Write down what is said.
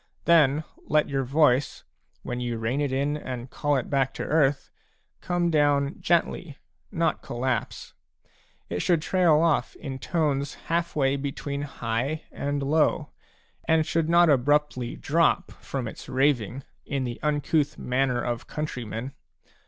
Then let your voice, when you rein it in and call it back to earthj come down gently, not collapse ; it should trail off in tones half way between high and low, and should not abruptly drop from its raving in the uncouth manner of countrymen.